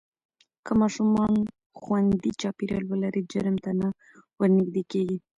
که ماشومان خوندي چاپېریال ولري، جرم ته نه ورنږدې کېږي.